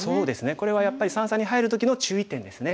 これはやっぱり三々に入る時の注意点ですね。